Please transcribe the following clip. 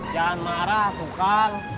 jangan marah atu kang